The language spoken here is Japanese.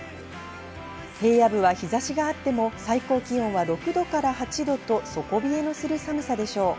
平野部は日差しがあっても最高気温は６度から８度と、底冷えのする寒さでしょう。